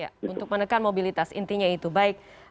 ya untuk menekan mobilitas intinya itu baik